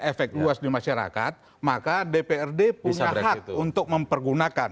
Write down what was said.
efek luas di masyarakat maka dprd punya hak untuk mempergunakan